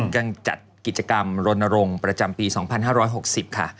จัดกิจกรรมรณรงค์ประจำปี๒๕๖๐ค่ะ